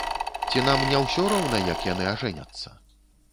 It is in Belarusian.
Ці нам не ўсё роўна, як яны ажэняцца?